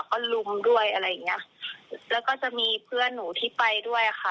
ก็ลุมด้วยอะไรอย่างเงี้ยแล้วก็จะมีเพื่อนหนูที่ไปด้วยค่ะ